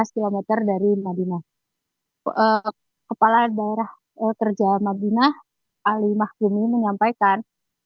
kepala daerah kerja madinah ali mahgumi menyampaikan